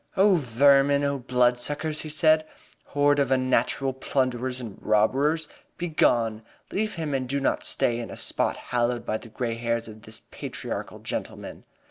"Oh, vermin! Oh, bloodsuckers!" he said. "Horde of unnatural plunderers and robbers! Begone! Leave him and do not stay in a spot hallowed by the gray hairs of this patriarchal gentleman!"